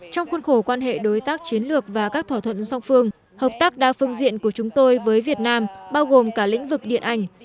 trong khuôn khổ quan hệ đối tác chiến lược và các thỏa thuận song phương hợp tác đa phương diện của chúng tôi với việt nam bao gồm cả lĩnh vực điện ảnh